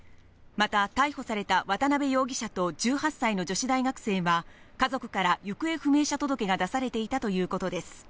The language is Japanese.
また逮捕された渡邉容疑者と１８歳の女子大学生は、家族から行方不明者届が出されていたということです。